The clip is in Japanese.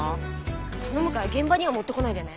頼むから現場には持ってこないでね。